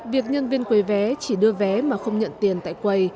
việc nhân viên quấy vé chỉ đưa vé mà không nhận tiền tại quầy